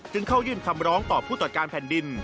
เข้ายื่นคำร้องต่อผู้ตรวจการแผ่นดิน